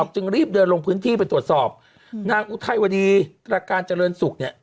จึงรีบเดินลงพื้นที่ไปตรวจสอบนางอุทัยวดีตรการเจริญศุกร์เนี่ย